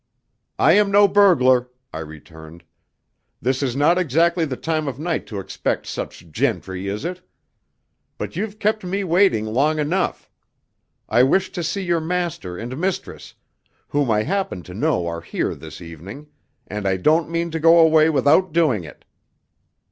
"I am no burglar," I returned. "This is not exactly the time of night to expect such gentry, is it? But you've kept me waiting long enough. I wish to see your master and mistress, whom I happen to know are here this evening, and I don't mean to go away without doing it."